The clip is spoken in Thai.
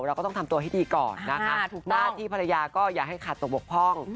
เราก็ต้องทำตัวให้ดีก่อนนะคะหน้าที่ภรรยาก็อย่าให้ขาดตกบกพร่อง